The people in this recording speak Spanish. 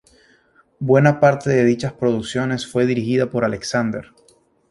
Buena parte de dichas producciones fue dirigida por Alexander.